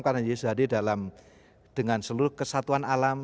karena yesus hadir dalam dengan seluruh kesatuan alam